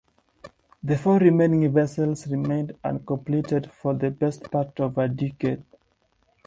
The four remaining vessels remained uncompleted for the best part of a decade.